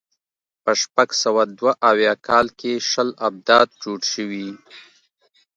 په شپږ سوه دوه اویا کال کې شل ابدات جوړ شوي.